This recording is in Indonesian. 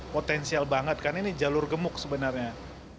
potensial banget kan ini jalur gemuk sebenarnya